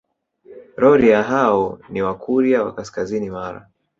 Rorya hao ni Wakurya wa kaskazini Mara